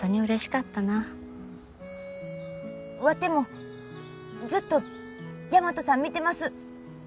ワテもずっと大和さん見てます。